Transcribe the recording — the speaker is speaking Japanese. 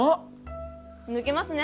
抜けますね